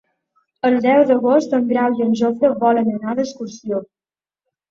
El deu d'agost en Grau i en Jofre volen anar d'excursió.